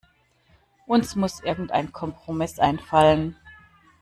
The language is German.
Uns muss irgendein Kompromiss einfallen.